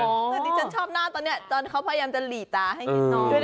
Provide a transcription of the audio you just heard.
คือที่ฉันชอบหน้าตอนนี้ตอนเขาพยายามจะหลีตาให้คิดน้อย